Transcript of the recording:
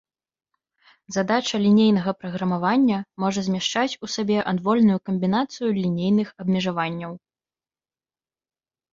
Задача лінейнага праграмавання можа змяшчаць у сабе адвольную камбінацыю лінейных абмежаванняў.